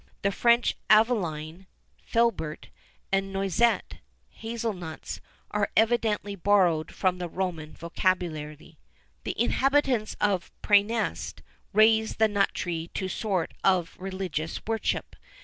The French Aveline (filbert), and Noisette (hazel nuts), are evidently borrowed from the Roman vocabulary. The inhabitants of Præneste raised the nut tree to a sort of religious worship.